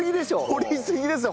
掘りすぎですね。